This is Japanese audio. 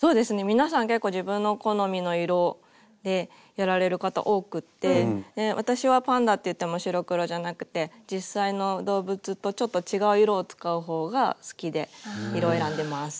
皆さん結構自分の好みの色でやられる方多くって私はパンダっていっても白黒じゃなくて実際の動物とちょっと違う色を使うほうが好きで色選んでます。